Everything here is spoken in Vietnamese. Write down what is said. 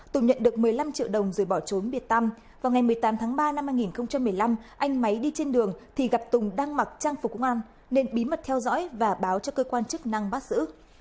tùng nhận được một mươi năm triệu đồng rồi bỏ trốn biệt tâm vào ngày một mươi tám tháng ba năm hai nghìn một mươi năm anh máy đi trên đường thì gặp tùng đang mặc trang phục công an nên bí mật theo dõi và báo cho cơ quan chức năng bắt giữ